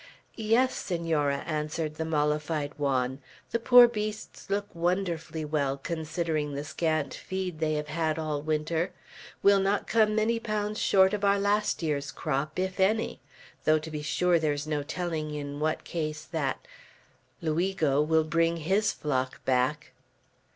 "Yes, Senora," answered the mollified Juan; "the poor beasts look wonderfully well considering the scant feed they have had all winter. We'll not come many pounds short of our last year's crop, if any. Though, to be sure, there is no telling in what case that Luigo will bring his flock back."